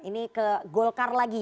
ini ke golkar lagi